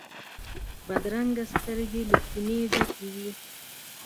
بدرنګه سترګې له کینې ډکې وي